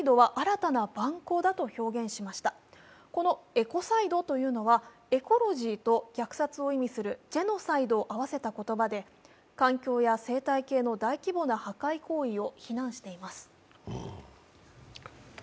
エコサイドというのはエコロジーと虐殺を意味するジェノサイドを合わせた言葉で環境や生態系の大規模な破壊行為を非難しています。